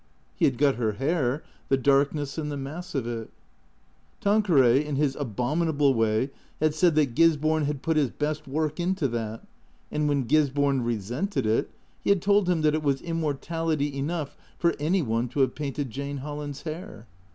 He had got her hair, the darkness and the mass of it. Tanqueray, in his abominable way, had said that Gisborne had put his best work into that, and when Gisborne resented it he had told him that it was immor tality enough for any one to have painted Jane Holland's hair.